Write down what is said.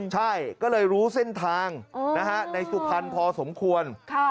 ใช่ก็เลยรู้เส้นทางในสุพรรณพอสมควร